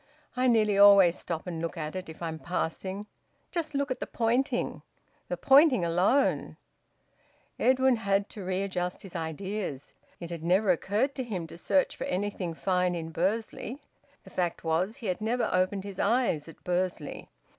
I nearly always stop and look at it if I'm passing. Just look at the pointing! The pointing alone " Edwin had to readjust his ideas. It had never occurred to him to search for anything fine in Bursley. The fact was, he had never opened his eyes at Bursley.